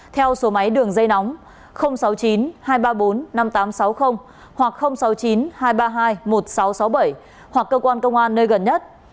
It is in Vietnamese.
theo số máy đường dây nóng sáu mươi chín hai trăm ba mươi bốn năm nghìn tám trăm sáu mươi hoặc sáu mươi chín hai trăm ba mươi hai một nghìn sáu trăm sáu mươi bảy hoặc cơ quan công an nơi gần nhất